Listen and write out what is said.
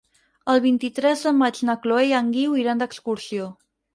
El vint-i-tres de maig na Chloé i en Guiu iran d'excursió.